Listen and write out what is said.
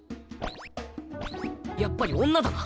やっぱり女だな。